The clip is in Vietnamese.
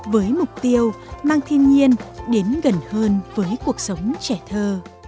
với mục tiêu mang thiên nhiên đến gần hơn với cuộc sống trẻ thơ